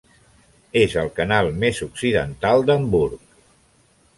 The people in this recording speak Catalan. És el canal més occidental d'Hamburg.